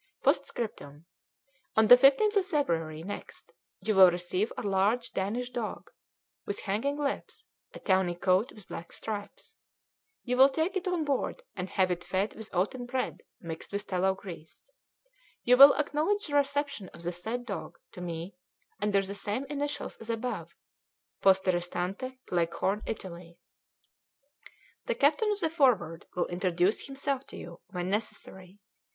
"P.S. On the 15th of February next you will receive a large Danish dog, with hanging lips, and tawny coat with black stripes. You will take it on board and have it fed with oaten bread, mixed with tallow grease. You will acknowledge the reception of the said dog to me under the same initials as above, Poste Restante, Leghorn, Italy. "The captain of the Forward will introduce himself to you when necessary.